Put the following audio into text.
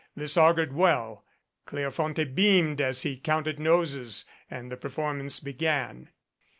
This augured well. Cleofonte beamed as he counted noses, and the performance began.